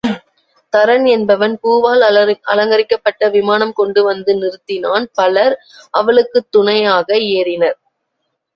தரன் என்பவன் பூவால் அலங்கரிக்கப்பட்ட விமானம் கொண்டு வந்து நிறுத்தினான் பலர் அவளுக்குத் துணையாக ஏறினர்.